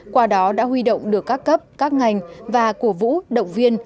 qua đó đã huy động được các cấp các ngành và cổ vũ động viên